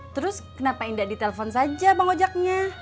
terus kenapa indah ditelepon saja bang oja nya